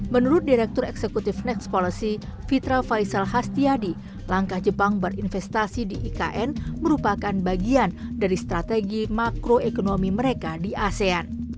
menurut direktur eksekutif next policy fitra faisal hastiadi langkah jepang berinvestasi di ikn merupakan bagian dari strategi makroekonomi mereka di asean